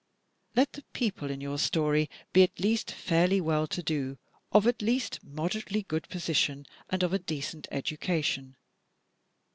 Let the people in your story be at least fairly well to do, of at least moderately good position and of a decent education.